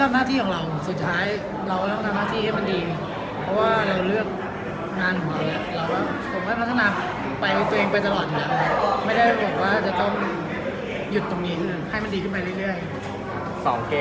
หยุดตรงนี้ให้มันดีขึ้นไปเรื่อย